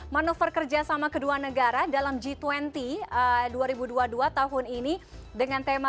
manuver kerjasama kedua negara dalam g dua puluh dua ribu dua puluh dua tahun ini dengan tema